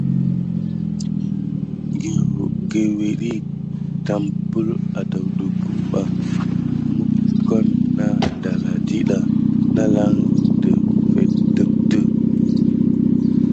Gewedi tampak adawdukumbà mokone nà ɗalà ɗiɗa nalan ɗefe ɗemte.